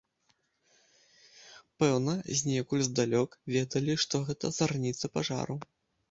Пэўна, знекуль здалёк ведалі, што гэта зарніца пажару.